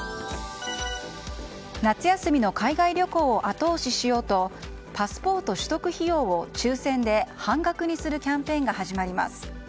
夏休みの海外旅行を後押ししようとパスポート取得費用を抽選で半額にするキャンペーンが始まります。